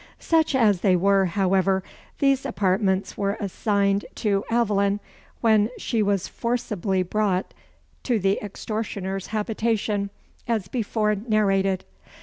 Such as they were, however, these apartments were assigned to Aveline, when she was forcibly brought to the extortioner's habitation, as before narrated.